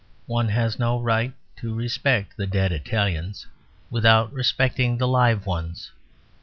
One has no right to respect the dead Italians without respecting the live ones.